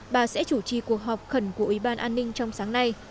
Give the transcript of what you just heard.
bà sẽ chủ trì cuộc họp khẩn của ủy ban an ninh trong sáng nay